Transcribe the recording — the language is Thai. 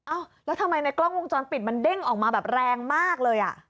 อ้าวแล้วทำไมในกล้องวงจรปิดมันเด้งออกมาแบบแรงมากเลยอ่ะ